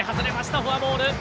フォアボール。